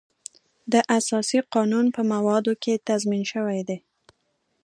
د اساسي قانون په موادو کې تضمین شوی دی.